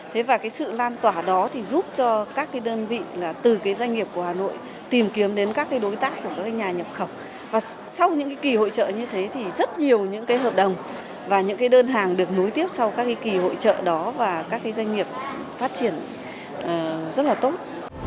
thế và cái sự lan tỏa đó thì giúp cho các cái đơn vị là từ cái doanh nghiệp của hà nội tìm kiếm đến các cái đối tác của các nhà nhập khẩu và sau những cái kỳ hội trợ như thế thì rất nhiều những cái hợp đồng và những cái đơn hàng được nối tiếp sau các cái kỳ hội trợ đó và các cái doanh nghiệp phát triển rất là tốt